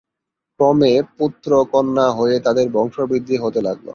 ক্রমে পুত্র-কন্যা হয়ে তাদের বংশ বৃদ্ধি হতে লাগলো।